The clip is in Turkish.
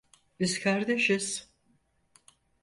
Biz kardeşiz.